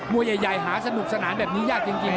วยใหญ่หาสนุกสนานแบบนี้ยากจริง